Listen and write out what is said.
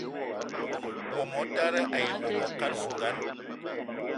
Wo motara ayi wo mokal zugan